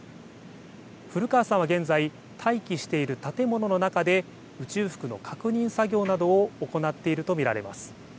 古川さんは現在、待機している建物の中で宇宙服の確認作業などを行っていると見られます。